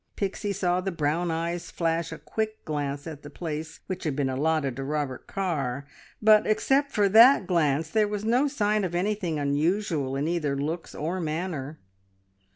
Pixie saw the brown eyes flash a quick glance at the place which had been allotted to Robert Carr, but except for that glance there was no sign of anything unusual in either looks or manner.